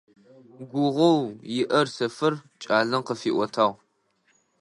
Гугъоу иӀэр Сэфэр кӀалэм къыфиӀотагъ.